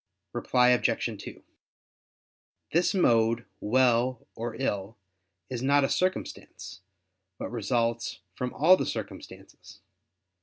Reply Obj. 2: This mode "well" or "ill" is not a circumstance, but results from all the circumstances.